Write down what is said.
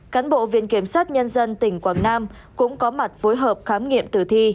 cán bộ viện kiểm sát nhân dân tỉnh quảng nam cũng có mặt phối hợp khám nghiệm tử thi